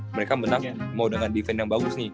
mereka menang mau dengan event yang bagus nih